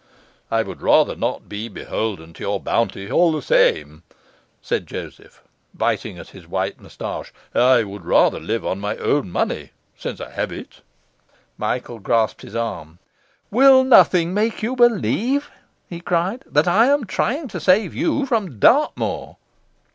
'I would rather not be beholden to your bounty all the same,' said Joseph, biting at his white moustache. 'I would rather live on my own money, since I have it.' Michael grasped his arm. 'Will nothing make you believe,' he cried, 'that I am trying to save you from Dartmoor?